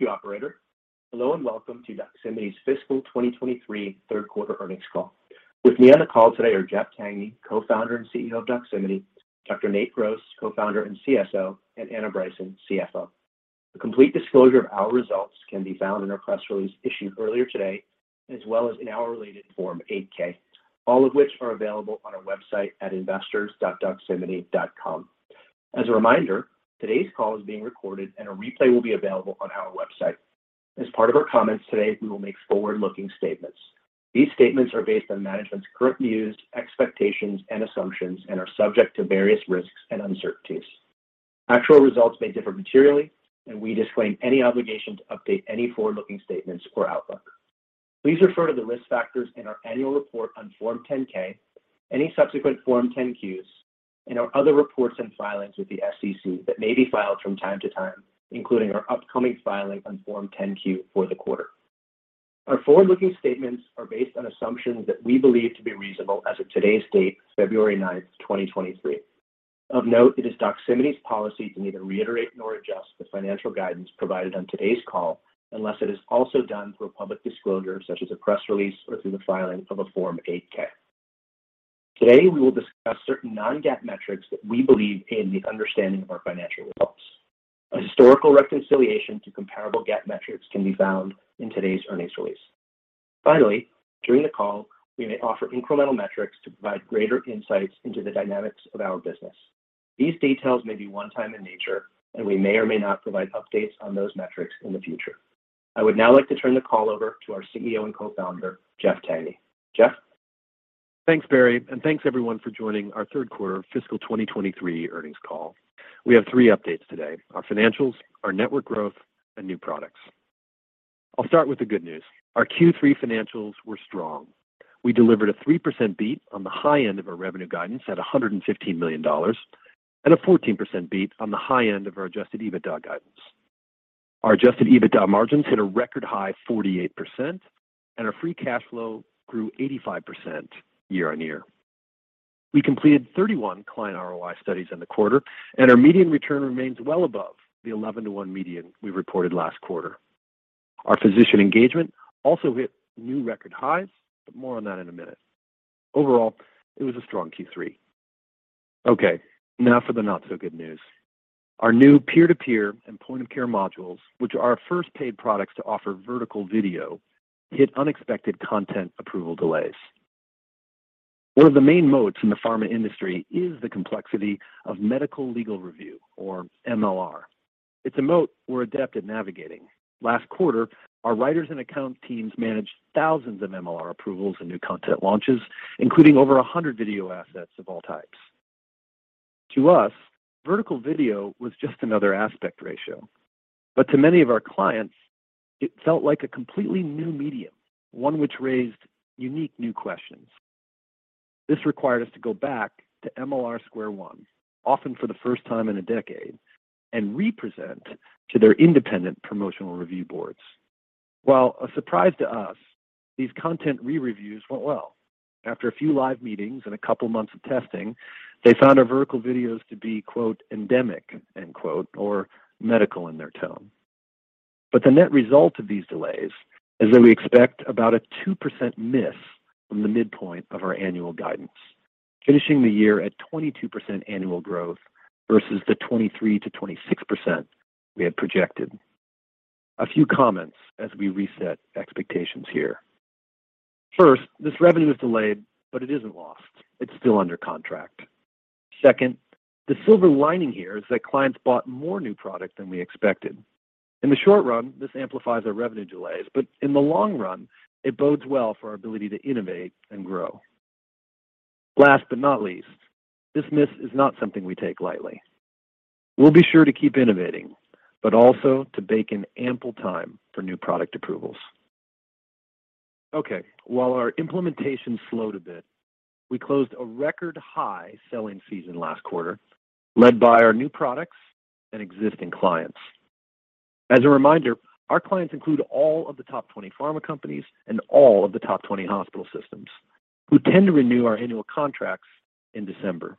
Thank you, operator. Hello, and welcome to Doximity's Fiscal 2023 Third Quarter Earnings Call. With me on the call today are Jeff Tangney, Co-founder and CEO of Doximity, Dr. Nate Gross, Co-founder and CSO, and Anna Bryson, CFO. A complete disclosure of our results can be found in our press release issued earlier today, as well as in our related Form 8-K, all of which are available on our website at investors.doximity.com. As a reminder, today's call is being recorded and a replay will be available on our website. As part of our comments today, we will make forward-looking statements. These statements are based on management's current views, expectations, and assumptions and are subject to various risks and uncertainties. Actual results may differ materially, and we disclaim any obligation to update any forward-looking statements or outlook. Please refer to the risk factors in our annual report on Form 10-K, any subsequent Form 10-Qs, and our other reports and filings with the SEC that may be filed from time to time, including our upcoming filing on Form 10-Q for the quarter. Our forward-looking statements are based on assumptions that we believe to be reasonable as of today's date, February 9th, 2023. Of note, it is Doximity's policy to neither reiterate nor adjust the financial guidance provided on today's call unless it is also done through a public disclosure such as a press release or through the filing of a Form 8-K. Today, we will discuss certain non-GAAP metrics that we believe in the understanding of our financial results. A historical reconciliation to comparable GAAP metrics can be found in today's earnings release. Finally, during the call, we may offer incremental metrics to provide greater insights into the dynamics of our business. These details may be one time in nature, and we may or may not provide updates on those metrics in the future. I would now like to turn the call over to our CEO and Co-founder, Jeff Tangney. Jeff? Thanks, Barry, thanks everyone for joining our third quarter fiscal 2023 earnings call. We have three updates today: our financials, our network growth, and new products. I'll start with the good news. Our Q3 financials were strong. We delivered a 3% beat on the high end of our revenue guidance at $115 million, a 14% beat on the high end of our Adjusted EBITDA guidance. Our Adjusted EBITDA margins hit a record high 48%, our free cash flow grew 85% year-over-year. We completed 31 client ROI studies in the quarter, our median return remains well above the 11:1 median we reported last quarter. Our physician engagement also hit new record highs, more on that in a minute. Overall, it was a strong Q3. Now for the not-so-good news. Our new peer-to-peer and point-of-care modules, which are our first paid products to offer vertical video, hit unexpected content approval delays. One of the main moats in the pharma industry is the complexity of medical legal review, or MLR. It's a moat we're adept at navigating. Last quarter, our writers and account teams managed thousands of MLR approvals and new content launches, including over 100 video assets of all types. To us, vertical video was just another aspect ratio. To many of our clients, it felt like a completely new medium, one which raised unique new questions. This required us to go back to MLR square one, often for the first time in a decade, and represent to their independent promotional review boards. While a surprise to us, these content re-reviews went well. After a few live meetings and a couple months of testing, they found our vertical videos to be "endemic" or medical in their tone. The net result of these delays is that we expect about a 2% miss from the midpoint of our annual guidance, finishing the year at 22% annual growth versus the 23%-26% we had projected. A few comments as we reset expectations here. First, this revenue is delayed, but it isn't lost. It's still under contract. Second, the silver lining here is that clients bought more new product than we expected. In the short run, this amplifies our revenue delays, but in the long run, it bodes well for our ability to innovate and grow. Last but not least, this miss is not something we take lightly. We'll be sure to keep innovating, but also to bake in ample time for new product approvals. Okay. While our implementation slowed a bit, we closed a record high selling season last quarter, led by our new products and existing clients. As a reminder, our clients include all of the top 20 pharma companies and all of the top 20 hospital systems who tend to renew our annual contracts in December.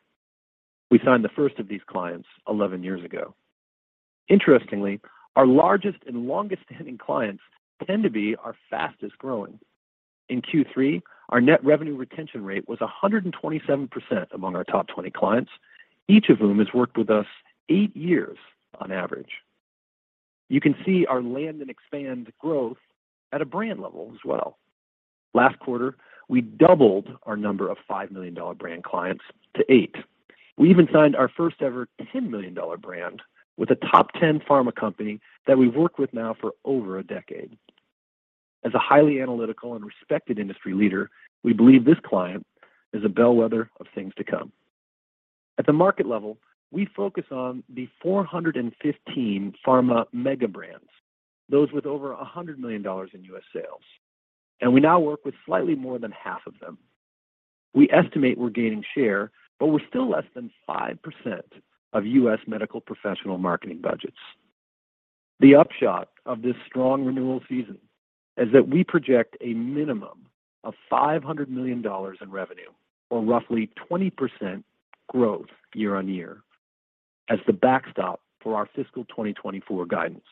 We signed the first of these clients 11 years ago. Interestingly, our largest and longest-standing clients tend to be our fastest-growing. In Q3, our net revenue retention rate was 127% among our top 20 clients, each of whom has worked with us 8 years on average. You can see our land and expand growth at a brand level as well. Last quarter, we doubled our number of $5 million brand clients to eight. We even signed our first-ever $10 million brand with a top 10 pharma company that we've worked with now for over a decade. As a highly analytical and respected industry leader, we believe this client is a bellwether of things to come. At the market level, we focus on the 415 pharma mega brands, those with over $100 million in U.S. sales, and we now work with slightly more than half of them. We estimate we're gaining share, but we're still less than 5% of U.S. medical professional marketing budgets. The upshot of this strong renewal season is that we project a minimum of $500 million in revenue, or roughly 20% growth year-on-year, as the backstop for our fiscal 2024 guidance.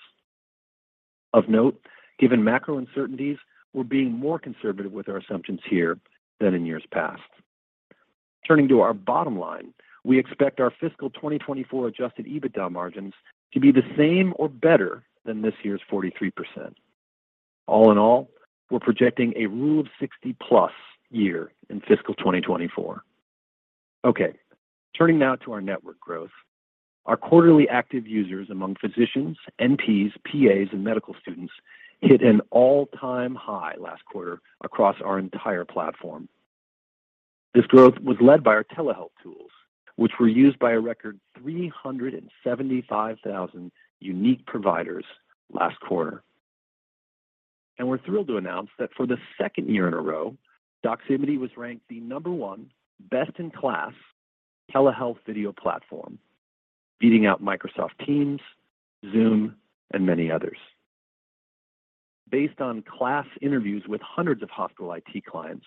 Of note, given macro uncertainties, we're being more conservative with our assumptions here than in years past. Turning to our bottom line, we expect our fiscal 2024 Adjusted EBITDA margins to be the same or better than this year's 43%. All in all, we're projecting a Rule of 60+ year in fiscal 2024. Turning now to our network growth. Our quarterly active users among physicians, NPs, PAs, and medical students hit an all-time high last quarter across our entire platform. This growth was led by our telehealth tools, which were used by a record 375,000 unique providers last quarter. We're thrilled to announce that for the second year in a row, Doximity was ranked the number one best in class telehealth video platform, beating out Microsoft Teams, Zoom, and many others. Based on KLAS interviews with hundreds of hospital IT clients,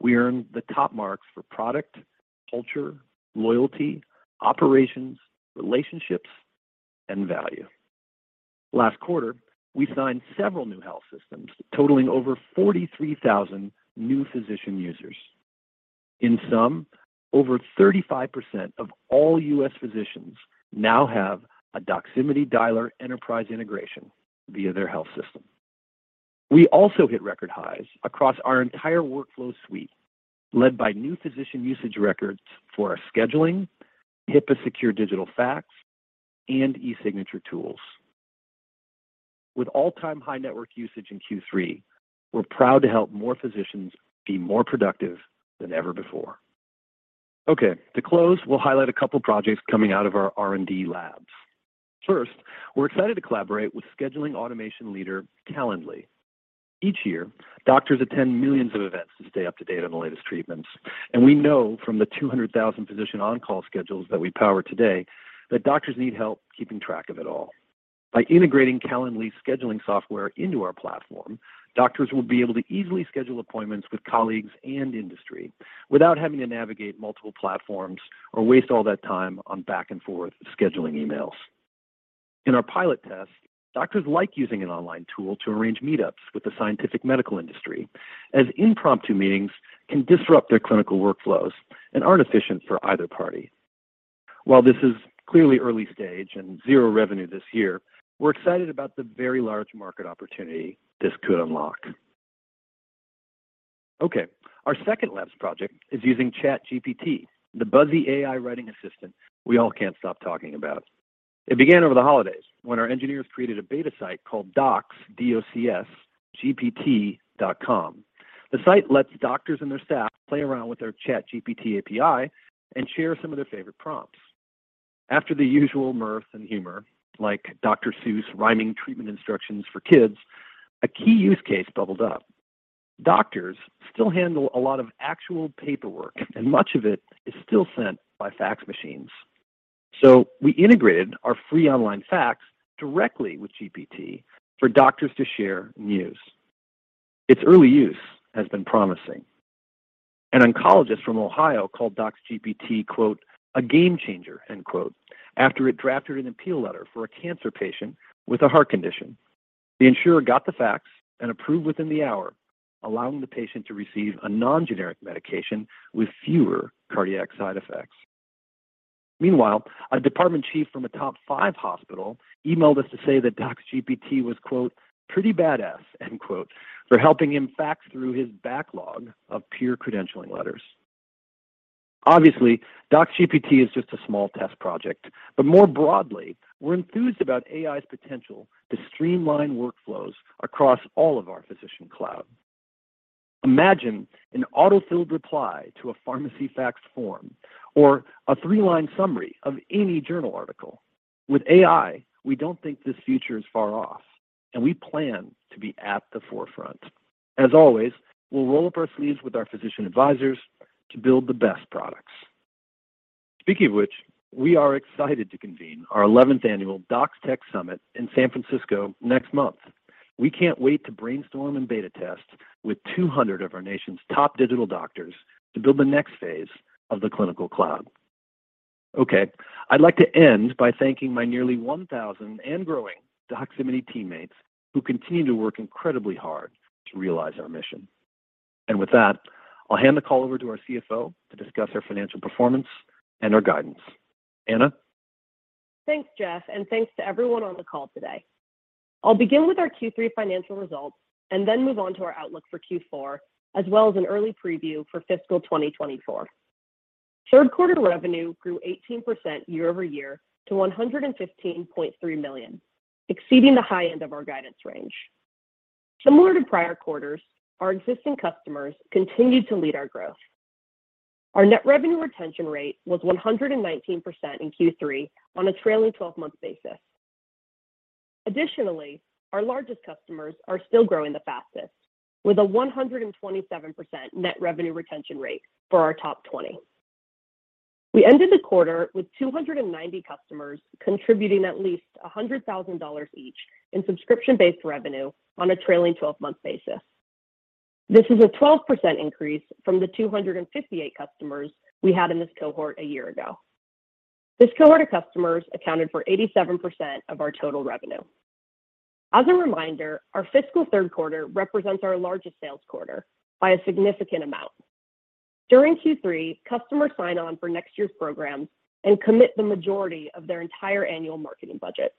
we earned the top marks for product, culture, loyalty, operations, relationships, and value. Last quarter, we signed several new health systems totaling over 43,000 new physician users. In sum, over 35% of all U.S. physicians now have a Doximity Dialer enterprise integration via their health system. We also hit record highs across our entire workflow suite, led by new physician usage records for our scheduling, HIPAA secure digital fax, and e-signature tools. With all-time high network usage in Q3, we're proud to help more physicians be more productive than ever before. Okay. To close, we'll highlight a couple projects coming out of our R&D labs. First, we're excited to collaborate with scheduling automation leader Calendly. Each year, doctors attend millions of events to stay up-to-date on the latest treatments, and we know from the 200,000 physician on-call schedules that we power today that doctors need help keeping track of it all. By integrating Calendly's scheduling software into our platform, doctors will be able to easily schedule appointments with colleagues and industry without having to navigate multiple platforms or waste all that time on back-and-forth scheduling emails. In our pilot test, doctors like using an online tool to arrange meetups with the scientific medical industry, as impromptu meetings can disrupt their clinical workflows and aren't efficient for either party. While this is clearly early stage and zero revenue this year, we're excited about the very large market opportunity this could unlock. Okay, our second labs project is using ChatGPT, the buzzy AI writing assistant we all can't stop talking about. It began over the holidays, when our engineers created a beta site called DocsGPT.com. The site lets doctors and their staff play around with their ChatGPT API and share some of their favorite prompts. After the usual mirth and humor, like Dr. Seuss rhyming treatment instructions for kids, a key use case bubbled up. Doctors still handle a lot of actual paperwork, and much of it is still sent by fax machines. We integrated our free online fax directly with GPT for doctors to share and use. Its early use has been promising. An oncologist from Ohio called DocsGPT, quote, "a game changer," end quote, after it drafted an appeal letter for a cancer patient with a heart condition. The insurer got the fax and approved within the hour, allowing the patient to receive a non-generic medication with fewer cardiac side effects. Meanwhile, a department chief from a top five hospital emailed us to say that DocsGPT was, quote, "pretty badass," end quote, for helping him fax through his backlog of peer credentialing letters. Obviously, DocsGPT is just a small test project, more broadly, we're enthused about AI's potential to streamline workflows across all of our physician cloud. Imagine an auto-filled reply to a pharmacy fax form or a three-line summary of any journal article. With AI, we don't think this future is far off, we plan to be at the forefront. As always, we'll roll up our sleeves with our physician advisors to build the best products. Speaking of which, we are excited to convene our 11th annual DocsTech Summit in San Francisco next month. We can't wait to brainstorm and beta test with 200 of our nation's top digital doctors to build the next phase of the clinical cloud. I'd like to end by thanking my nearly 1,000 and growing Doximity teammates who continue to work incredibly hard to realize our mission. With that, I'll hand the call over to our CFO to discuss our financial performance and our guidance. Anna? Thanks, Jeff, and thanks to everyone on the call today. I'll begin with our Q3 financial results and then move on to our outlook for Q4, as well as an early preview for fiscal 2024. Third quarter revenue grew 18% year-over-year to $115.3 million, exceeding the high end of our guidance range. Similar to prior quarters, our existing customers continued to lead our growth. Our net revenue retention rate was 119% in Q3 on a trailing 12-month basis. Additionally, our largest customers are still growing the fastest, with a 127% net revenue retention rate for our top 20. We ended the quarter with 290 customers contributing at least $100,000 each in subscription-based revenue on a trailing 12-month basis. This is a 12% increase from the 258 customers we had in this cohort a year ago. This cohort of customers accounted for 87% of our total revenue. As a reminder, our fiscal third quarter represents our largest sales quarter by a significant amount. During Q3, customers sign on for next year's programs and commit the majority of their entire annual marketing budget.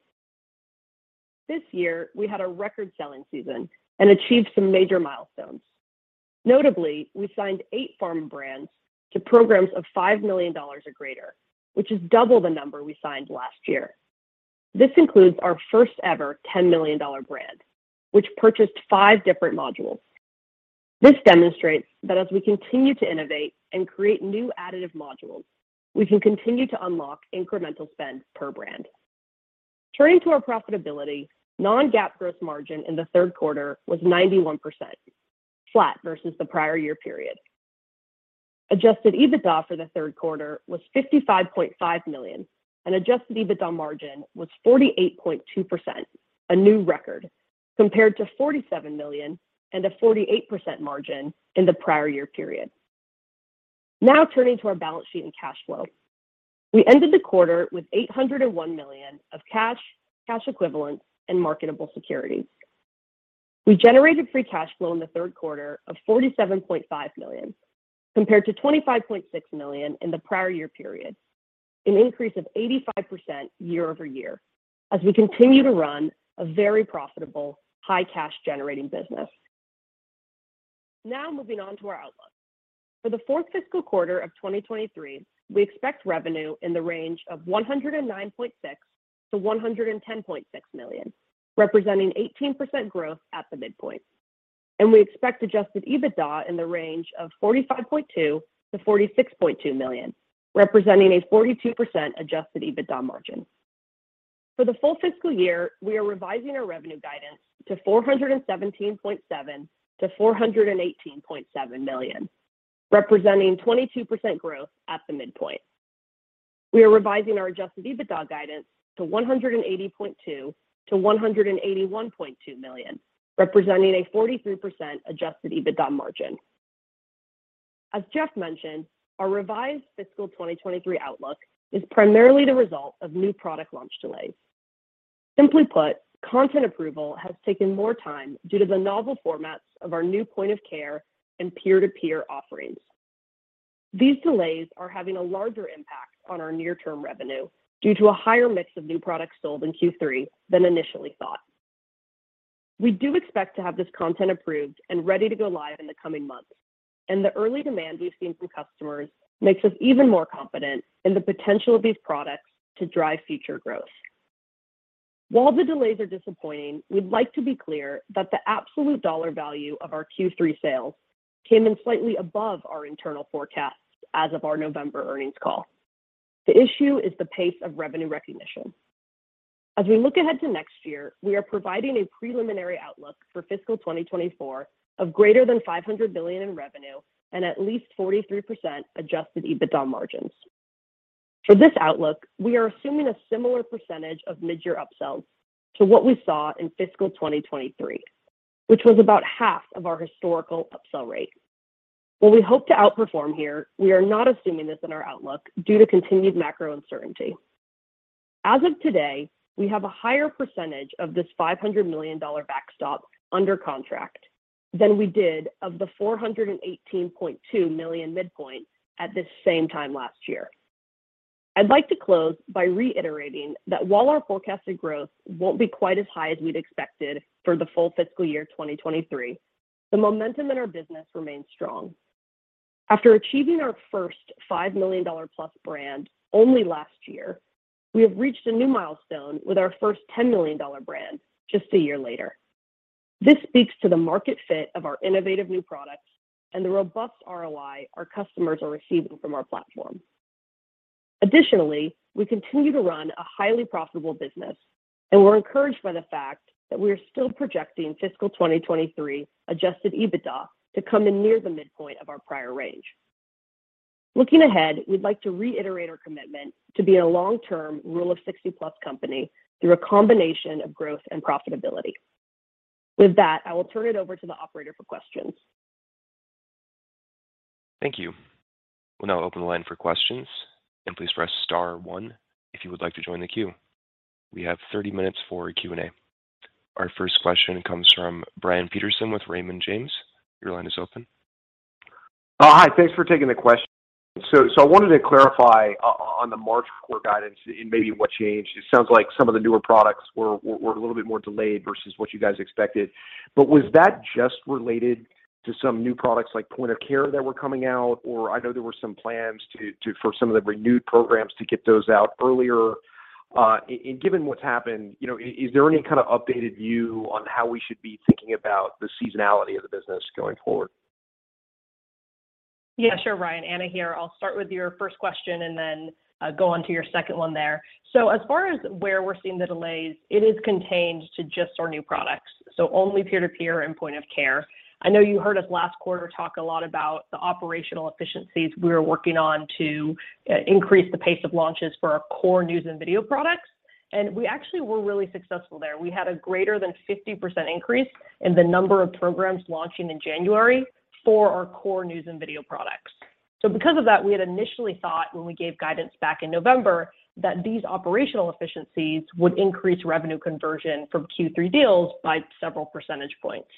This year we had a record selling season and achieved some major milestones. Notably, we signed eight pharma brands to programs of $5 million or greater, which is double the number we signed last year. This includes our first-ever $10 million brand, which purchased five different modules. This demonstrates that as we continue to innovate and create new additive modules, we can continue to unlock incremental spend per brand. Turning to our profitability, non-GAAP gross margin in the third quarter was 91%, flat versus the prior year period. Adjusted EBITDA for the third quarter was $55.5 million, and Adjusted EBITDA margin was 48.2%, a new record, compared to $47 million and a 48% margin in the prior year period. Turning to our balance sheet and cash flow. We ended the quarter with $801 million of cash equivalents and marketable securities. We generated free cash flow in the third quarter of $47.5 million, compared to $25.6 million in the prior year period, an increase of 85% year-over-year as we continue to run a very profitable, high cash generating business. Moving on to our outlook. For the fourth fiscal quarter of 2023, we expect revenue in the range of $109.6 million-$110.6 million, representing 18% growth at the midpoint. We expect Adjusted EBITDA in the range of $45.2 million-$46.2 million, representing a 42% Adjusted EBITDA margin. For the full fiscal year, we are revising our revenue guidance to $417.7 million-$418.7 million, representing 22% growth at the midpoint. We are revising our Adjusted EBITDA guidance to $180.2 million-$181.2 million, representing a 43% Adjusted EBITDA margin. As Jeff mentioned, our revised fiscal 2023 outlook is primarily the result of new product launch delays. Simply put, content approval has taken more time due to the novel formats of our new point-of-care and peer-to-peer offerings. These delays are having a larger impact on our near-term revenue due to a higher mix of new products sold in Q3 than initially thought. We do expect to have this content approved and ready to go live in the coming months, and the early demand we've seen from customers makes us even more confident in the potential of these products to drive future growth. While the delays are disappointing, we'd like to be clear that the absolute dollar value of our Q3 sales came in slightly above our internal forecasts as of our November earnings call. The issue is the pace of revenue recognition. As we look ahead to next year, we are providing a preliminary outlook for fiscal 2024 of greater than $500 billion in revenue and at least 43% Adjusted EBITDA margins. For this outlook, we are assuming a similar percentage of mid-year upsells to what we saw in fiscal 2023, which was about half of our historical upsell rate. While we hope to outperform here, we are not assuming this in our outlook due to continued macro uncertainty. As of today, we have a higher percentage of this $500 million backstop under contract than we did of the $418.2 million midpoint at this same time last year. I'd like to close by reiterating that while our forecasted growth won't be quite as high as we'd expected for the full fiscal year 2023, the momentum in our business remains strong. After achieving our first $5 million-plus brand only last year, we have reached a new milestone with our first $10 million brand just a year later. This speaks to the market fit of our innovative new products and the robust ROI our customers are receiving from our platform. Additionally, we continue to run a highly profitable business, and we're encouraged by the fact that we are still projecting fiscal 2023 Adjusted EBITDA to come in near the midpoint of our prior range. Looking ahead, we'd like to reiterate our commitment to be a long-term Rule of 60+ company through a combination of growth and profitability. With that, I will turn it over to the operator for questions. Thank you. We'll now open the line for questions. Please press star one if you would like to join the queue. We have 30 minutes for Q&A. Our first question comes from Brian Peterson with Raymond James. Your line is open. Hi, thanks for taking the question. I wanted to clarify on the March quarter guidance and maybe what changed. It sounds like some of the newer products were a little bit more delayed versus what you guys expected, but was that just related to some new products like point-of-care that were coming out? Or I know there were some plans to -- for some of the renewed programs to get those out earlier. Given what's happened, is there any kind of updated view on how we should be thinking about the seasonality of the business going forward? Yeah, sure, Brian. Anna here. I'll start with your first question and then go on to your second one there. As far as where we're seeing the delays, it is contained to just our new products, so only peer-to-peer and point-of-care. I know you heard us last quarter talk a lot about the operational efficiencies we were working on to increase the pace of launches for our core news and video products. And we actually were really successful there. We had a greater than 50% increase in the number of programs launching in January for our core news and video products. Because of that, we had initially thought when we gave guidance back in November that these operational efficiencies would increase revenue conversion from Q3 deals by several percentage points.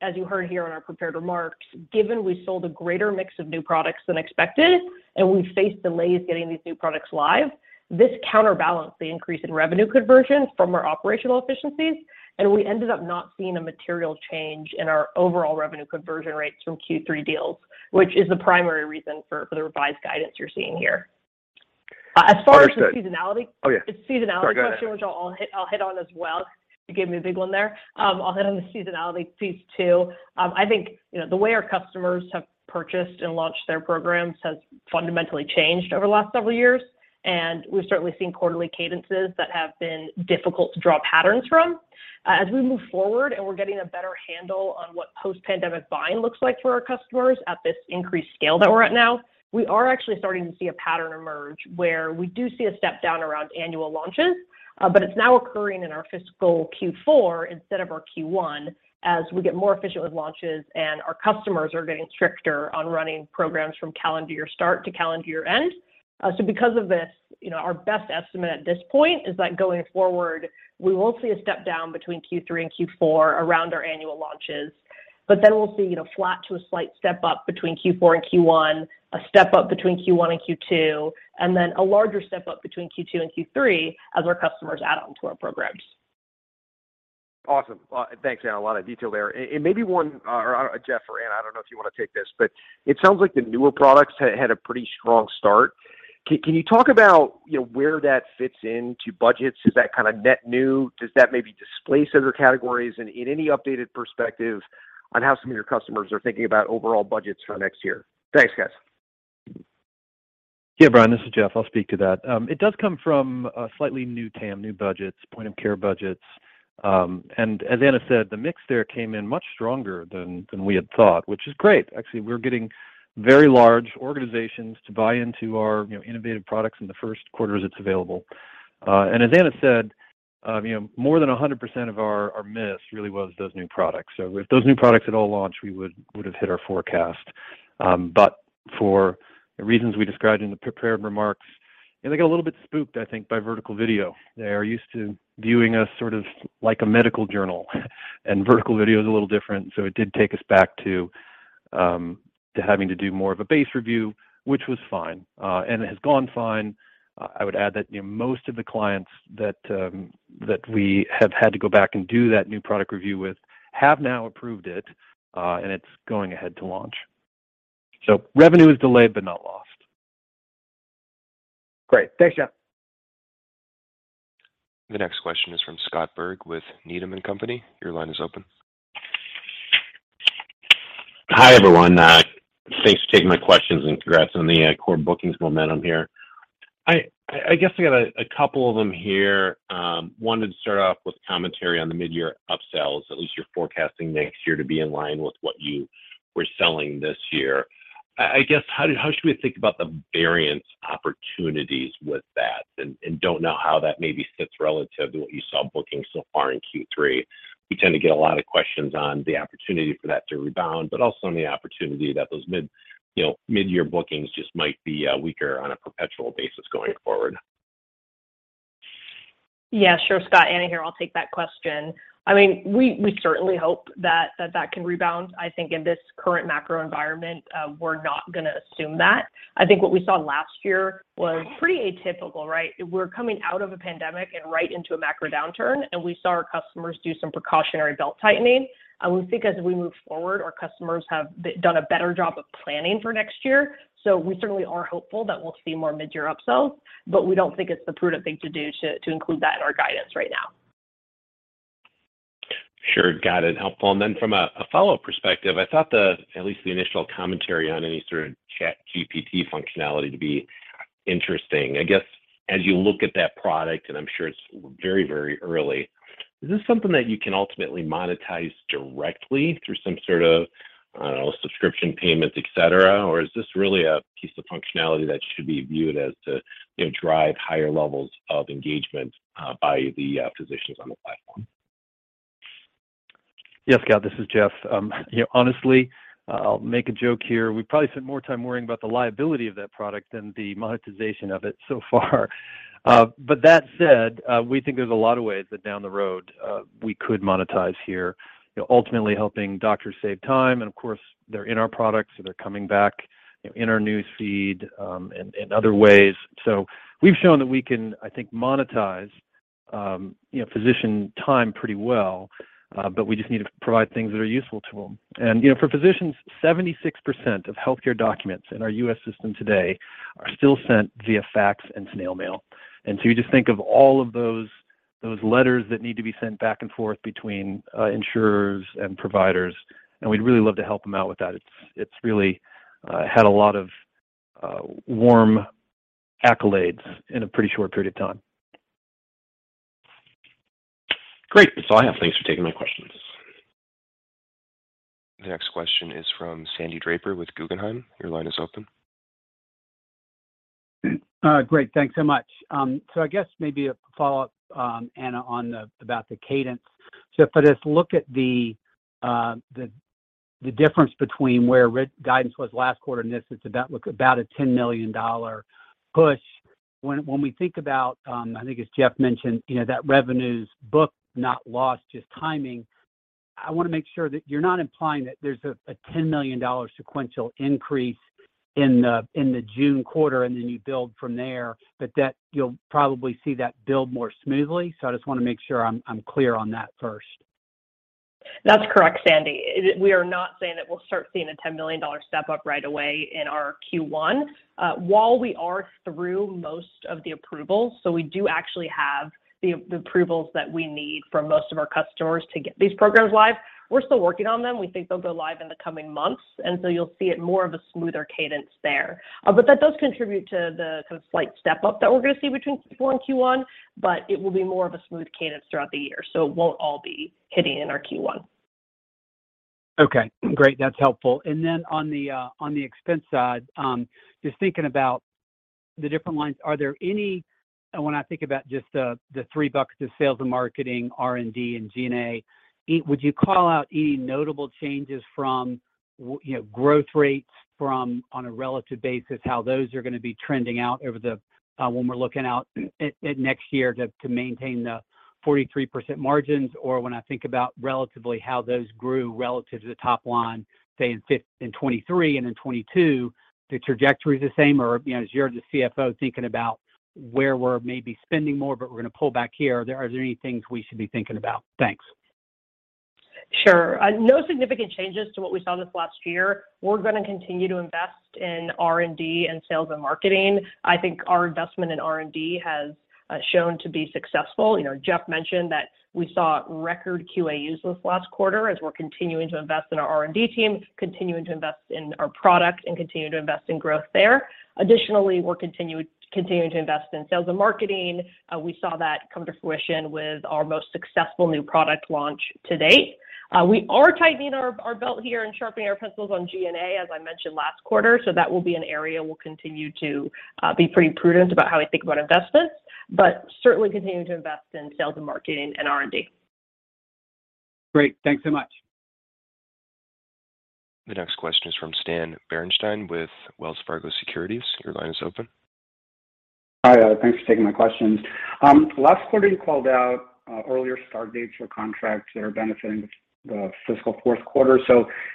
As you heard here in our prepared remarks, given we sold a greater mix of new products than expected and we faced delays getting these new products live, this counterbalanced the increase in revenue conversions from our operational efficiencies, and we ended up not seeing a material change in our overall revenue conversion rates from Q3 deals, which is the primary reason for the revised guidance you're seeing here. As far as the seasonality. Oh, yeah. The seasonality question, which I'll hit on as well. You gave me a big one there. I'll hit on the seasonality piece too. I think, you know, the way our customers have purchased and launched their programs has fundamentally changed over the last several years, and we've certainly seen quarterly cadences that have been difficult to draw patterns from. As we move forward and we're getting a better handle on what post-pandemic buying looks like for our customers at this increased scale that we're at now, we are actually starting to see a pattern emerge where we do see a step down around annual launches. It's now occurring in our fiscal Q4 instead of our Q1 as we get more efficient with launches and our customers are getting stricter on running programs from calendar year start to calendar year end. Because of this, you know, our best estimate at this point is that going forward, we will see a step down between Q3 and Q4 around our annual launches. We'll see, you know, flat to a slight step up between Q4 and Q1, a step up between Q1 and Q2, and then a larger step up between Q2 and Q3 as our customers add on to our programs. Awesome. Thanks, Anna. Maybe one... or Jeff or Anna, I don't know if you wanna take this, but it sounds like the newer products had a pretty strong start. Can you talk about, you know, where that fits into budgets? Is that kind of net new? Does that maybe displace other categories? Any updated perspective on how some of your customers are thinking about overall budgets for next year? Thanks, guys. Yeah, Brian, this is Jeff. I'll speak to that. It does come from a slightly new TAM, new budgets, point-of-care budgets. As Anna said, the mix there came in much stronger than we had thought, which is great. Actually, we're getting very large organizations to buy into our, you know, innovative products in the 1st quarter as it's available. As Anna said, you know, more than 100% of our miss really was those new products. If those new products had all launched, we would have hit our forecast. For the reasons we described in the prepared remarks, they got a little bit spooked, I think, by vertical video. They are used to viewing us sort of like a medical journal, and vertical video is a little different, so it did take us back to having to do more of a base review, which was fine, and it has gone fine. I would add that, you know, most of the clients that we have had to go back and do that new product review with have now approved it, and it's going ahead to launch. Revenue is delayed but not lost. Great. Thanks, Jeff. The next question is from Scott Berg with Needham & Company. Your line is open. Hi, everyone. Thanks for taking my questions, and congrats on the core bookings momentum here. I guess I got a couple of them here. Wanted to start off with commentary on the mid-year upsells. At least you're forecasting next year to be in line with what you were selling this year. I guess how should we think about the variance opportunities with that? Don't know how that maybe sits relative to what you saw booking so far in Q3. We tend to get a lot of questions on the opportunity for that to rebound, but also on the opportunity that those mid, you know, mid-year bookings just might be weaker on a perpetual basis going forward. Yeah, sure, Scott. Anna here. I'll take that question. I mean, we certainly hope that can rebound. I think in this current macro environment, we're not gonna assume that. I think what we saw last year was pretty atypical, right? We're coming out of a pandemic and right into a macro downturn, and we saw our customers do some precautionary belt-tightening. We think as we move forward, our customers have done a better job of planning for next year. We certainly are hopeful that we'll see more mid-year upsells, but we don't think it's the prudent thing to include that in our guidance right now. Sure. Got it. Helpful. Then from a follow perspective, I thought the, at least the initial commentary on any sort of ChatGPT functionality to be interesting. I guess as you look at that product, and I'm sure it's very, very early, is this something that you can ultimately monetize directly through some sort of, I don't know, subscription payments, et cetera, or is this really a piece of functionality that should be viewed as to, you know, drive higher levels of engagement by the physicians on the platform? Yes, Scott, this is Jeff. You know, honestly, I'll make a joke here. We probably spent more time worrying about the liability of that product than the monetization of it so far. That said, we think there's a lot of ways that down the road, we could monetize here, you know, ultimately helping doctors save time, and of course, they're in our products, so they're coming back in our newsfeed, and other ways. We've shown that we can, I think, monetize, you know, physician time pretty well, but we just need to provide things that are useful to them. You know, for physicians, 76% of healthcare documents in our U.S. system today are still sent via fax and snail mail. You just think of all of those letters that need to be sent back and forth between insurers and providers, and we'd really love to help them out with that. It's really had a lot of warm accolades in a pretty short period of time. Great. This is all I have. Thanks for taking my questions. The next question is from Sandy Draper with Guggenheim. Your line is open. Great. Thanks so much. I guess maybe a follow-up, Anna, on the about the cadence. For this look at the difference between where guidance was last quarter and this, it's about a $10 million push. When we think about, I think as Jeff mentioned, you know, that revenue's booked, not lost, just timing. I wanna make sure that you're not implying that there's a $10 million sequential increase in the June quarter, and then you build from there. That you'll probably see that build more smoothly. I just wanna make sure I'm clear on that first. That's correct, Sandy. We are not saying that we'll start seeing a $10 million step-up right away in our Q1. While we are through most of the approvals, we do actually have the approvals that we need from most of our customers to get these programs live, we're still working on them. We think they'll go live in the coming months, you'll see it more of a smoother cadence there. That does contribute to the kind of slight step-up that we're gonna see between Q4 and Q1, it will be more of a smooth cadence throughout the year, it won't all be hitting in our Q1. Okay, great. That's helpful. On the expense side, just thinking about the different lines, when I think about just the three buckets of sales and marketing, R&D, and G&A, would you call out any notable changes from, you know, growth rates from, on a relative basis, how those are gonna be trending out over the, when we're looking out at next year to maintain the 43% margins? When I think about relatively how those grew relative to the top line, say, in 2023 and in 2022, the trajectory's the same. You know, as you're the CFO thinking about where we're maybe spending more, but we're gonna pull back here, are there any things we should be thinking about? Thanks. Sure. No significant changes to what we saw this last year. We're gonna continue to invest in R&D and sales and marketing. I think our investment in R&D has shown to be successful. You know, Jeff mentioned that we saw record Q&A use this last quarter as we're continuing to invest in our R&D team, continuing to invest in our product, and continuing to invest in growth there. Additionally, we're continuing to invest in sales and marketing. We saw that come to fruition with our most successful new product launch to date. We are tightening our belt here and sharpening our pencils on G&A, as I mentioned last quarter, so that will be an area we'll continue to be pretty prudent about how we think about investments. Certainly continuing to invest in sales and marketing and R&D. Great. Thanks so much. The next question is from Stan Berenshteyn with Wells Fargo Securities. Your line is open. Hi, thanks for taking my questions. Last quarter you called out, earlier start dates for contracts that are benefiting the fiscal fourth quarter.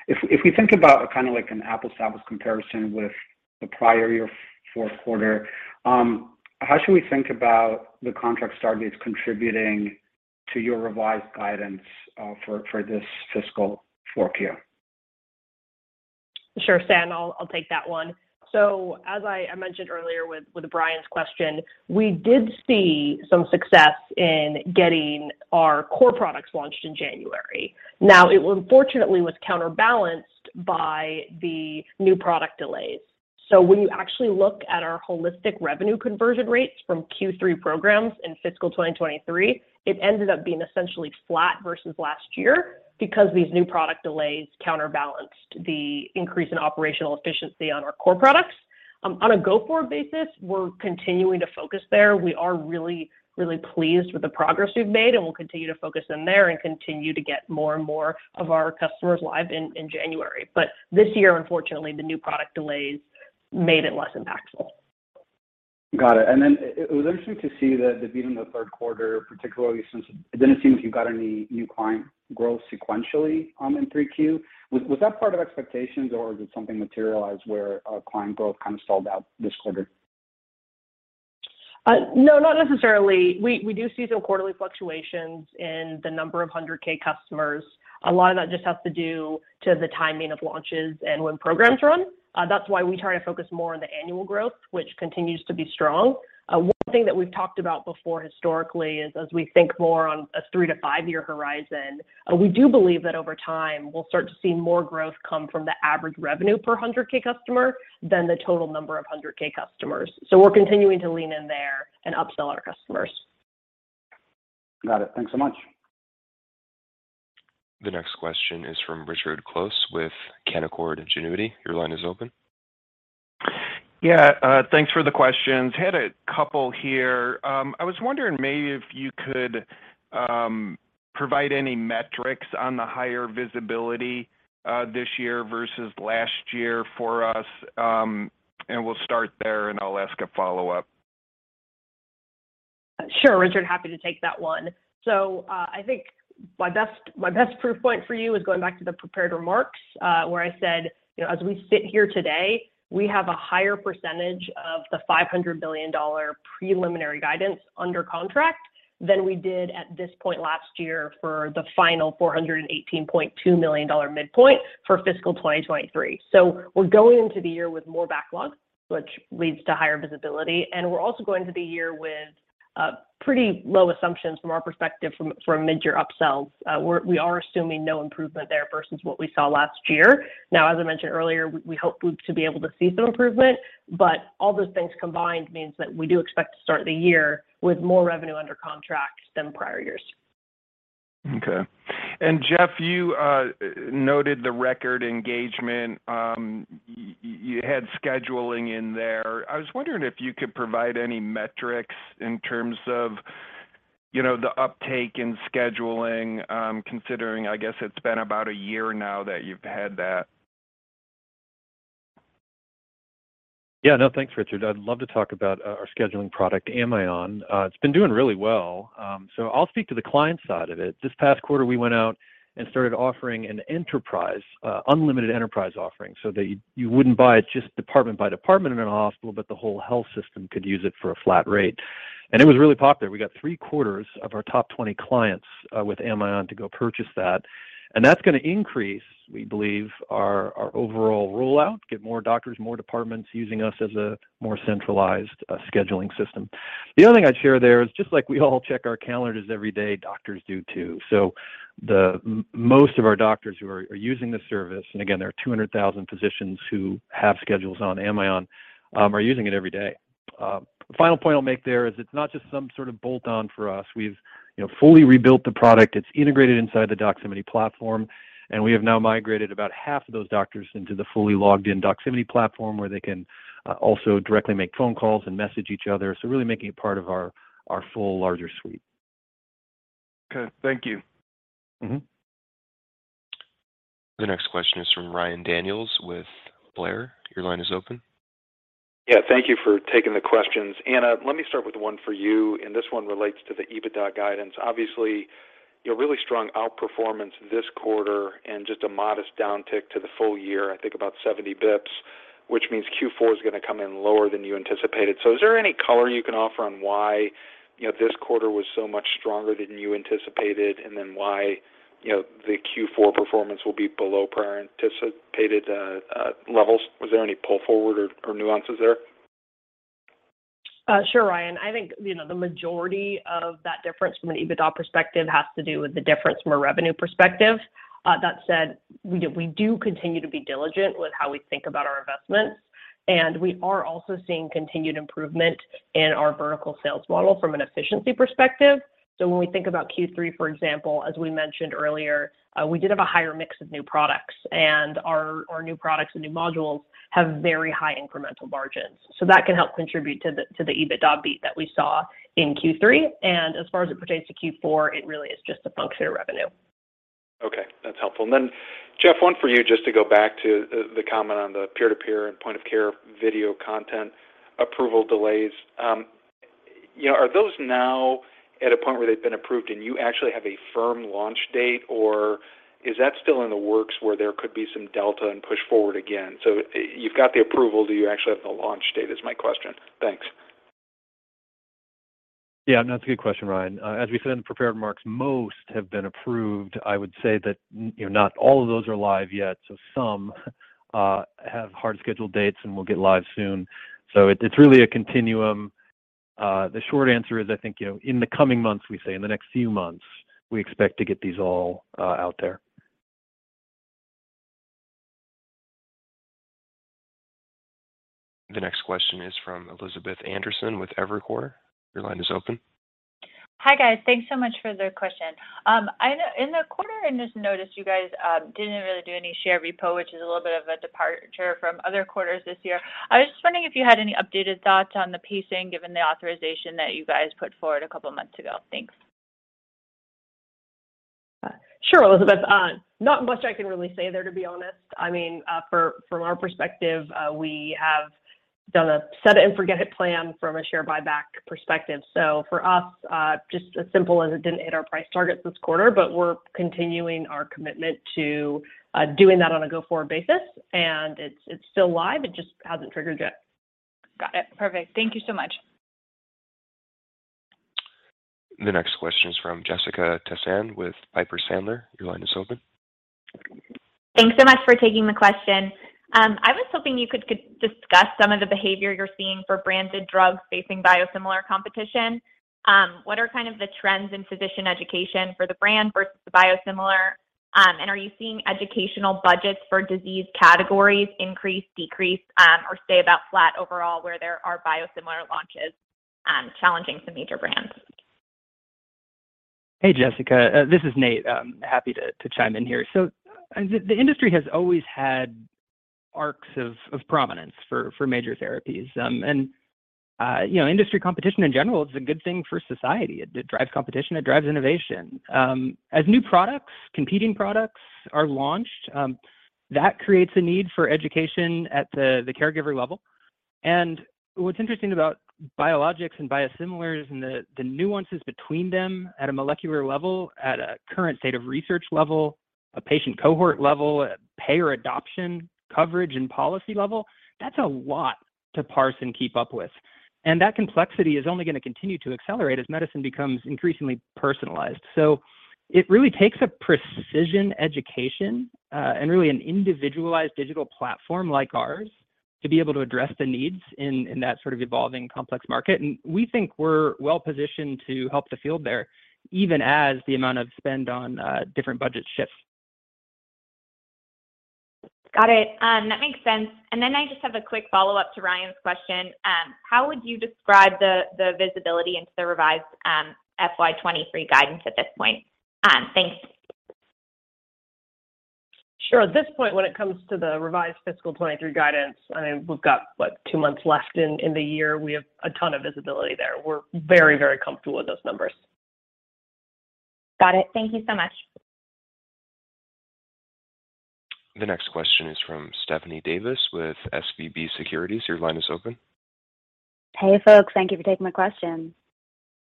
If we think about kind of like an apples to apples comparison with the prior year fourth quarter, how should we think about the contract start dates contributing to your revised guidance, for this fiscal fourth year? Sure, Stan. I'll take that one. As I mentioned earlier with Brian's question, we did see some success in getting our core products launched in January. It unfortunately was counterbalanced by the new product delays. When you actually look at our holistic revenue conversion rates from Q3 programs in fiscal 2023, it ended up being essentially flat versus last year because these new product delays counterbalanced the increase in operational efficiency on our core products. On a go-forward basis, we're continuing to focus there. We are really, really pleased with the progress we've made, and we'll continue to focus in there and continue to get more and more of our customers live in January. This year, unfortunately, the new product delays made it less impactful. Got it. It was interesting to see the beat in the third quarter, particularly since it didn't seem like you got any new client growth sequentially in 3Q. Was that part of expectations, or did something materialize where client growth kind of stalled out this quarter? No, not necessarily. We do see some quarterly fluctuations in the number of 100K customers. A lot of that just has to do to the timing of launches and when programs run. That's why we try to focus more on the annual growth, which continues to be strong. One thing that we've talked about before historically is as we think more on a three-five-year horizon, we do believe that over time we'll start to see more growth come from the average revenue per 100K customer than the total number of 100K customers. We're continuing to lean in there and upsell our customers. Got it. Thanks so much. The next question is from Richard Close with Canaccord Genuity. Your line is open. Yeah. Thanks for the questions. Had a couple here. I was wondering maybe if you could provide any metrics on the higher visibility this year versus last year for us. We'll start there, and I'll ask a follow-up. Sure, Richard, happy to take that one. I think my best proof point for you is going back to the prepared remarks, where I said, you know, as we sit here today, we have a higher percentage of the $500 billion preliminary guidance under contract than we did at this point last year for the final $418.2 million midpoint for fiscal 2023. We're going into the year with more backlog, which leads to higher visibility, and we're also going to the year with pretty low assumptions from our perspective from mid-year upsells. We are assuming no improvement there versus what we saw last year. As I mentioned earlier, we hope to be able to see some improvement, but all those things combined means that we do expect to start the year with more revenue under contract than prior years. Okay. Jeff, you noted the record engagement. You had scheduling in there. I was wondering if you could provide any metrics in terms of, you know, the uptake in scheduling, considering, I guess, it's been about a year now that you've had that. Yeah, no, thanks, Richard. I'd love to talk about our scheduling product, Amion. It's been doing really well. I'll speak to the client side of it. This past quarter, we went out and started offering an enterprise unlimited enterprise offering so that you wouldn't buy it just department by department in a hospital, but the whole health system could use it for a flat rate. It was really popular. We got 3 quarters of our top 20 clients with Amion to go purchase that's gonna increase, we believe, our overall rollout, get more doctors, more departments using us as a more centralized scheduling system. The other thing I'd share there is just like we all check our calendars every day, doctors do too. The most of our doctors who are using the service, and again, there are 200,000 physicians who have schedules on Amion, are using it every day. Final point I'll make there is it's not just some sort of bolt-on for us. We've, you know, fully rebuilt the product. It's integrated inside the Doximity platform, and we have now migrated about half of those doctors into the fully logged-in Doximity platform where they can also directly make phone calls and message each other, really making it part of our full larger suite. Okay, thank you. Mm-hmm. The next question is from Ryan Daniels with Blair. Your line is open. Yeah, thank you for taking the questions. Anna, let me start with one for you, and this one relates to the EBITDA guidance. Obviously, you know, really strong outperformance this quarter and just a modest downtick to the full year, I think about 70 basis points, which means Q4 is gonna come in lower than you anticipated. Is there any color you can offer on why, you know, this quarter was so much stronger than you anticipated and then why, you know, the Q4 performance will be below prior anticipated levels? Was there any pull forward or nuances there? Sure, Ryan. I think, you know, the majority of that difference from an EBITDA perspective has to do with the difference from a revenue perspective. We do continue to be diligent with how we think about our investments, and we are also seeing continued improvement in our vertical sales model from an efficiency perspective. When we think about Q3, for example, as we mentioned earlier, we did have a higher mix of new products, and our new products and new modules have very high incremental margins. That can help contribute to the EBITDA beat that we saw in Q3. As far as it pertains to Q4, it really is just a function of revenue. Okay, that's helpful. Then Jeff, one for you, just to go back to the comment on the peer-to-peer and point-of-care video content approval delays. you know, are those now at a point where they've been approved and you actually have a firm launch date, or is that still in the works where there could be some delta and push forward again? You've got the approval. Do you actually have the launch date is my question? Thanks. No, that's a good question, Ryan. As we said in the prepared remarks, most have been approved. I would say that, you know, not all of those are live yet, some have hard scheduled dates and will get live soon. It's really a continuum. The short answer is I think, you know, in the coming months, we say in the next few months, we expect to get these all out there. The next question is from Elizabeth Anderson with Evercore. Your line is open. Hi, guys. Thanks so much for the question. In the quarter, I just noticed you guys didn't really do any share repo, which is a little bit of a departure from other quarters this year. I was just wondering if you had any updated thoughts on the pacing given the authorization that you guys put forward a couple months ago. Thanks. Sure, Elizabeth. Not much I can really say there, to be honest. I mean, from our perspective, we have done a set it and forget it plan from a share buyback perspective. For us, just as simple as it didn't hit our price target this quarter, but we're continuing our commitment to doing that on a go-forward basis, and it's still live. It just hasn't triggered yet. Got it. Perfect. Thank you so much. The next question is from Jessica Tassan with Piper Sandler. Your line is open. Thanks so much for taking the question. I was hoping you could discuss some of the behavior you're seeing for branded drugs facing biosimilar competition. What are kind of the trends in physician education for the brand versus the biosimilar? Are you seeing educational budgets for disease categories increase, decrease, or stay about flat overall where there are biosimilar launches challenging some major brands? Hey, Jessica. This is Nate. I'm happy to chime in here. The industry has always had arcs of prominence for major therapies. you know, industry competition in general is a good thing for society. It drives competition, it drives innovation. As new products, competing products are launched, that creates a need for education at the caregiver level. What's interesting about biologics and biosimilars and the nuances between them at a molecular level, at a current state of research level, a patient cohort level, payer adoption, coverage and policy level, that's a lot to parse and keep up with. That complexity is only gonna continue to accelerate as medicine becomes increasingly personalized. It really takes a precision education, and really an individualized digital platform like ours to be able to address the needs in that sort of evolving complex market. We think we're well positioned to help the field there, even as the amount of spend on different budgets shifts. Got it. That makes sense. I just have a quick follow-up to Ryan's question. How would you describe the visibility into the revised FY 2023 guidance at this point? Thanks. Sure. At this point, when it comes to the revised fiscal 2023 guidance, I mean, we've got, what, 2 months left in the year. We have a ton of visibility there. We're very, very comfortable with those numbers. Got it. Thank you so much. The next question is from Stephanie Davis with SVB Securities. Your line is open. Hey, folks. Thank you for taking my question.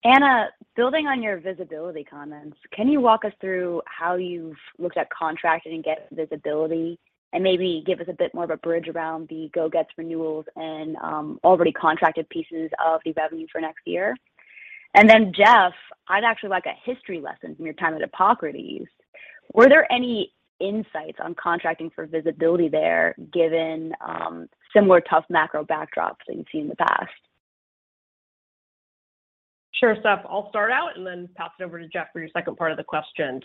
Anna, building on your visibility comments, can you walk us through how you've looked at contracting and get visibility, and maybe give us a bit more of a bridge around the go gets renewals and already contracted pieces of the revenue for next year? Then Jeff, I'd actually like a history lesson from your time at Epocrates. Were there any insights on contracting for visibility there, given similar tough macro backdrops that you've seen in the past? Sure, Steph. I'll start out and then pass it over to Jeff for your second part of the question.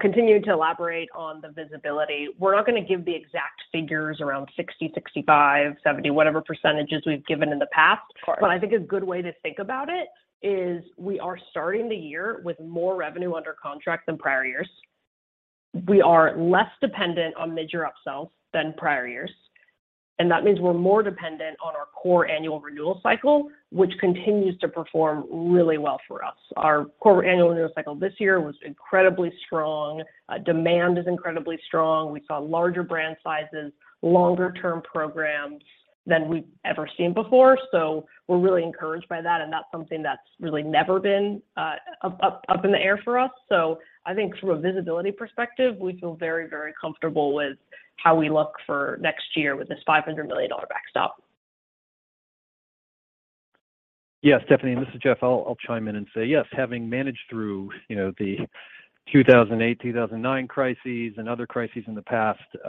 Continuing to elaborate on the visibility, we're not gonna give the exact figures around 60%, 65%, 70%, whatever percentages we've given in the past. Of course. I think a good way to think about it is we are starting the year with more revenue under contract than prior years. We are less dependent on mid-year upsells than prior years, that means we're more dependent on our core annual renewal cycle, which continues to perform really well for us. Our core annual renewal cycle this year was incredibly strong. Demand is incredibly strong. We saw larger brand sizes, longer term programs than we've ever seen before. We're really encouraged by that's something that's really never been up in the air for us. I think from a visibility perspective, we feel very, very comfortable with how we look for next year with this $500 million backstop. Yeah, Stephanie, this is Jeff. I'll chime in and say yes, having managed through, you know, the 2008, 2009 crises and other crises in the past, you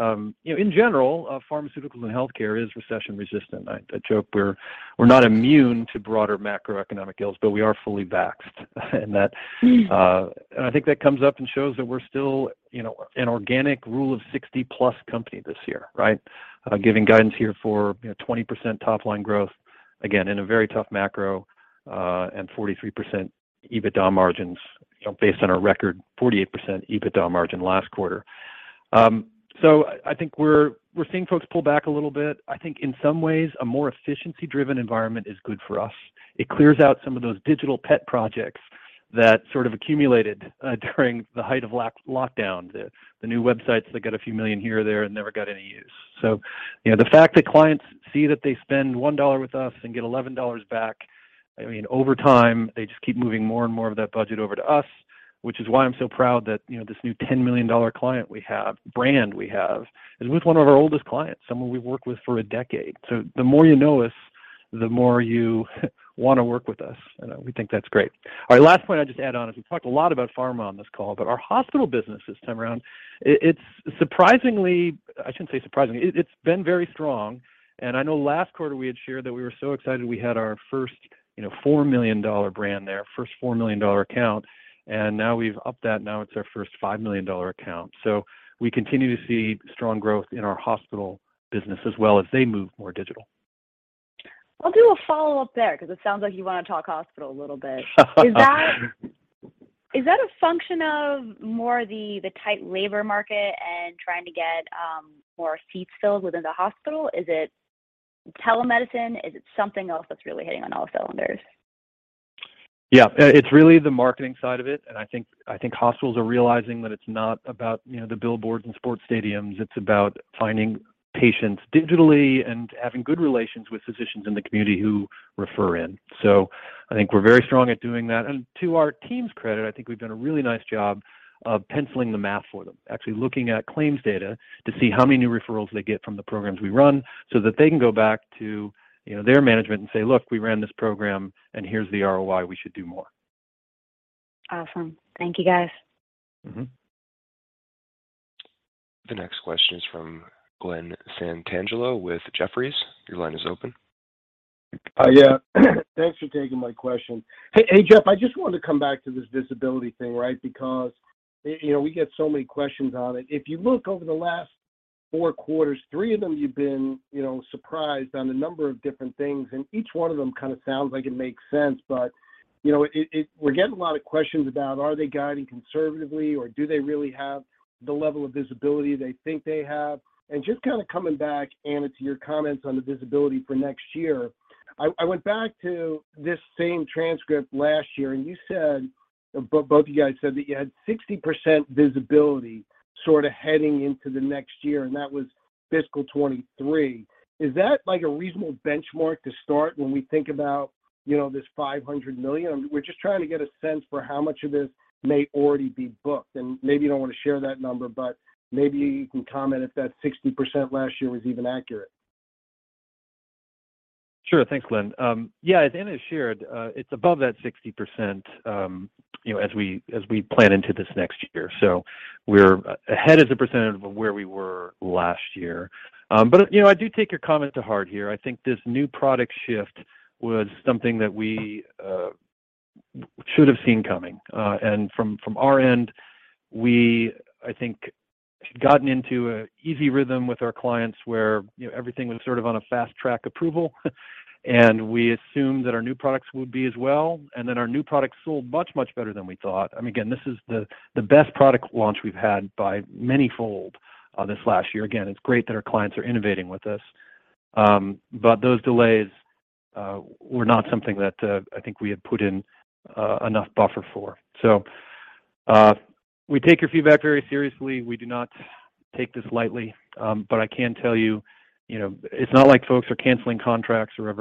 know, in general, pharmaceuticals and healthcare is recession-resistant. I joke we're not immune to broader macroeconomic ills, but we are fully vaxxed and that- Mm-hmm.... I think that comes up and shows that we're still, you know, an organic Rule of 60-plus company this year, right. Giving guidance here for, you know, 20% top-line growth, again, in a very tough macro, and 43% EBITDA margins, you know, based on our record 48% EBITDA margin last quarter. I think we're seeing folks pull back a little bit. I think in some ways, a more efficiency-driven environment is good for us. It clears out some of those digital pet projects that sort of accumulated during the height of lockdown. The new websites that got a few million here or there and never got any use. You know, the fact that clients see that they spend $1 with us and get $11 back, I mean, over time, they just keep moving more and more of that budget over to us, which is why I'm so proud that, you know, this new $10 million client we have, brand we have is with one of our oldest clients, someone we've worked with for a decade. The more you know us, the more you wanna work with us. You know, we think that's great. All right, last point I'd just add on is we've talked a lot about pharma on this call, but our hospital business this time around, it's surprisingly... I shouldn't say surprisingly. It's been very strong, and I know last quarter we had shared that we were so excited we had our first, you know, $4 million brand there, first $4 million account, and now we've upped that. Now it's our first $5 million account. We continue to see strong growth in our hospital business as well as they move more digital. I'll do a follow-up there because it sounds like you wanna talk hospital a little bit. Is that a function of more the tight labor market and trying to get more seats filled within the hospital? Is it telemedicine? Is it something else that's really hitting on all cylinders? Yeah. It's really the marketing side of it, and I think hospitals are realizing that it's not about, you know, the billboards and sports stadiums. It's about finding patients digitally and having good relations with physicians in the community who refer in. I think we're very strong at doing that. To our team's credit, I think we've done a really nice job of penciling the math for them, actually looking at claims data to see how many new referrals they get from the programs we run, so that they can go back to, you know, their management and say, "Look, we ran this program and here's the ROI. We should do more. Awesome. Thank you, guys. Mm-hmm. The next question is from Glen Santangelo with Jefferies. Your line is open. Yeah. Thanks for taking my question. Hey, Jeff, I just wanted to come back to this visibility thing, right? Because, you know, we get so many questions on it. If you look over the last four quarters, three of them you've been, you know, surprised on a number of different things, and each one of them kind of sounds like it makes sense. You know, it. We're getting a lot of questions about are they guiding conservatively, or do they really have the level of visibility they think they have? Just kinda coming back, Anna, to your comments on the visibility for next year, I went back to this same transcript last year and you said, or both of you guys said that you had 60% visibility sorta heading into the next year, and that was fiscal 23. Is that, like, a reasonable benchmark to start when we think about, you know, this $500 million? We're just trying to get a sense for how much of this may already be booked, and maybe you don't wanna share that number, but maybe you can comment if that 60% last year was even accurate. Sure. Thanks, Glen. Yeah, as Anna shared, it's above that 60%, you know, as we, as we plan into this next year. We're ahead as a percentage of where we were last year. You know, I do take your comment to heart here. I think this new product shift was something that we should have seen coming. And from our end, we, I think, had gotten into a easy rhythm with our clients where, you know, everything was sort of on a fast-track approval. We assumed that our new products would be as well, and then our new products sold much, much better than we thought. I mean, again, this is the best product launch we've had by many-fold this last year. It's great that our clients are innovating with us. Those delays were not something that I think we had put in enough buffer for. We take your feedback very seriously. We do not take this lightly. I can tell you know, it's not like folks are canceling contracts or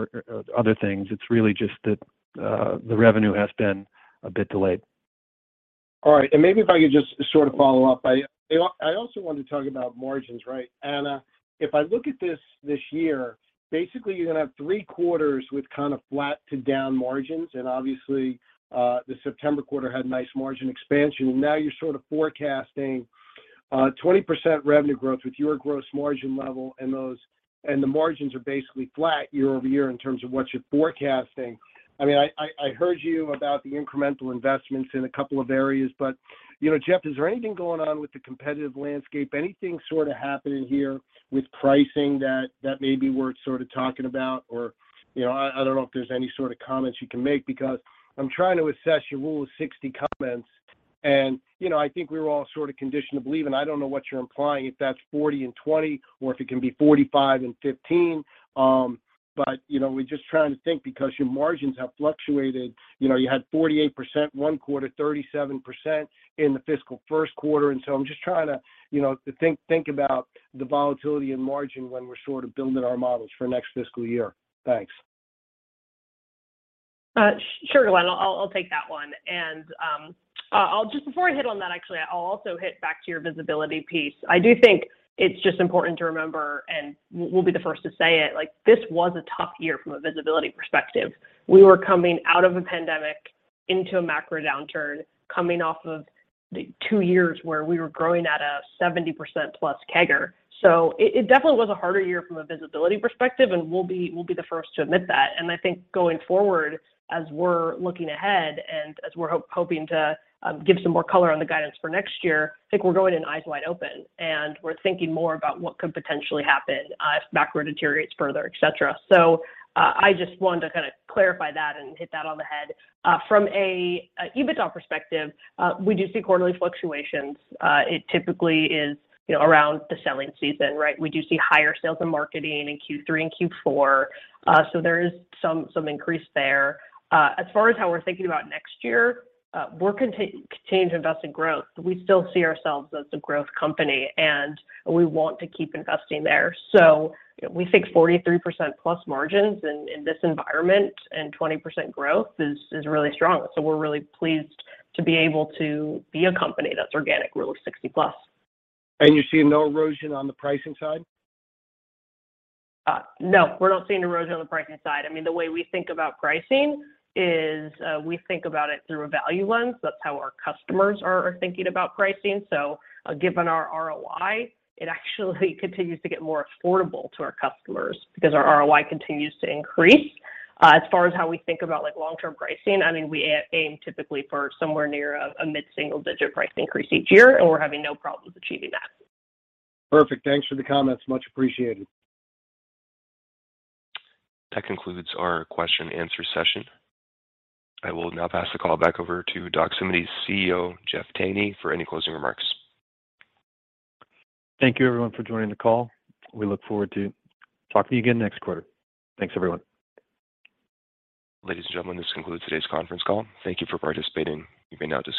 other things. It's really just that the revenue has been a bit delayed. All right. Maybe if I could just sort of follow up. I also wanted to talk about margins, right? Anna, if I look at this this year, basically you're gonna have three quarters with kind of flat to down margins, and obviously, the September quarter had nice margin expansion. Now you're sort of forecasting 20% revenue growth with your gross margin level, and the margins are basically flat year-over-year in terms of what you're forecasting. I mean, I heard you about the incremental investments in a couple of areas, but, you know, Jeff, is there anything going on with the competitive landscape? Anything sort of happening here with pricing that may be worth sort of talking about? Or, you know, I don't know if there's any sort of comments you can make because I'm trying to assess your Rule of 60 comments. You know, I think we're all sort of conditioned to believe, and I don't know what you're implying, if that's 40 and 20 or if it can be 45 and 15. You know, we're just trying to think because your margins have fluctuated. You know, you had 48% one quarter, 37% in the fiscal first quarter. I'm just trying to, you know, to think about the volatility in margin when we're sort of building our models for next fiscal year. Thanks. Sure, Glenn. I'll take that one. Just before I hit on that, actually, I'll also hit back to your visibility piece. I do think it's just important to remember, we'll be the first to say it, like, this was a tough year from a visibility perspective. We were coming out of a pandemic into a macro downturn, coming off of the two years where we were growing at a 70%+ CAGR. It definitely was a harder year from a visibility perspective, and we'll be the first to admit that. I think going forward, as we're looking ahead and as we're hoping to give some more color on the guidance for next year, I think we're going in eyes wide open, and we're thinking more about what could potentially happen if macro deteriorates further, et cetera. I just wanted to kinda clarify that and hit that on the head. From a EBITDA perspective, we do see quarterly fluctuations. It typically is, you know, around the selling season, right? We do see higher sales and marketing in Q3 and Q4, there is some increase there. As far as how we're thinking about next year, we continue to invest in growth. We still see ourselves as a growth company, we want to keep investing there. We think 43% plus margins in this environment and 20% growth is really strong. We're really pleased to be able to be a company that's organic Rule of 60+. You see no erosion on the pricing side? No, we're not seeing erosion on the pricing side. I mean, the way we think about pricing is, we think about it through a value lens. That's how our customers are thinking about pricing. Given our ROI, it actually continues to get more affordable to our customers because our ROI continues to increase. As far as how we think about, like, long-term pricing, I mean, we aim typically for somewhere near a mid-single digit price increase each year, and we're having no problems achieving that. Perfect. Thanks for the comments. Much appreciated. That concludes our question and answer session. I will now pass the call back over to Doximity's CEO, Jeff Tangney, for any closing remarks. Thank you everyone for joining the call. We look forward to talking to you again next quarter. Thanks, everyone. Ladies and gentlemen, this concludes today's conference call. Thank you for participating.